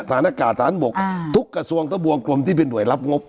ฐานอากาศฐานบกทุกกระทรวงทะบวงกลมที่เป็นห่วยรับงบ